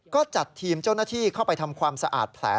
ก็จัดทีมเจ้าหน้าที่เข้าไปทำความสะอาดแผล